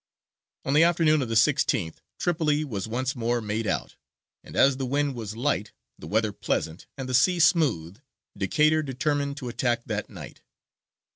On the afternoon of the 16th Tripoli was once more made out; and as the wind was light, the weather pleasant, and the sea smooth, Decatur determined to attack that night.